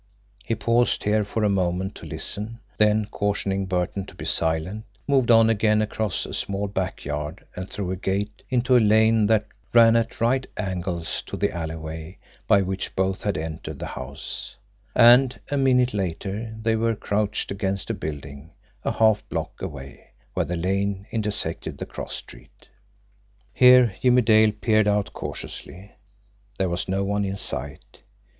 He paused here for a moment to listen; then, cautioning Burton to be silent, moved on again across a small back yard and through a gate into a lane that ran at right angles to the alleyway by which both had entered the house and, a minute later, they were crouched against a building, a half block away, where the lane intersected the cross street. Here Jimmie Dale peered out cautiously. There was no one in sight.